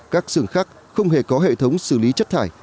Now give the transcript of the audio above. các xưởng khác không hề có hệ thống xử lý chất thải